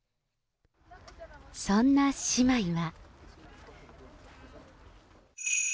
そんな姉妹は。